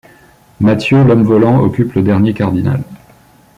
Mathieu, l'homme volant, occupe le dernier cardinal.